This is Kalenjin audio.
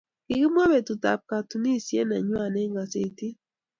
kikimwa betut ab katunishet nenywan eng kasetit